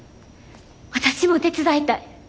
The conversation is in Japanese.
私も手伝いたい。